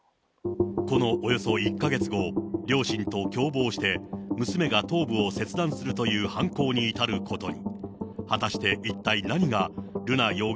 このおよそ１か月後、両親と共謀して娘が頭部を切断するという犯行に至ることに。